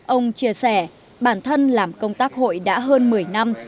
ông chia sẻ bản thân làm công tác hội đã hơn một mươi năm